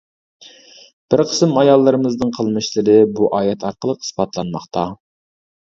بىر قىسىم ئاياللىرىمىزنىڭ قىلمىشلىرى بۇ ئايەت ئارقىلىق ئىسپاتلانماقتا.